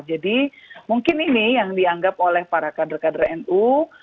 jadi mungkin ini yang dianggap oleh para kader kader nu